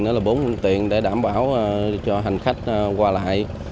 đó là bốn phương tiện để đảm bảo cho hành khách qua lại